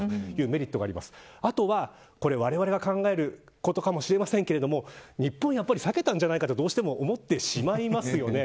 あとは、われわれが考えることかもしれませんが日本をやっぱり避けたんじゃないかとどうしても思ってしまいますよね。